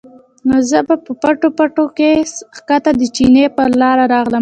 نو زۀ پۀ پټو پټو کښې ښکته د چینې پۀ لاره راغلم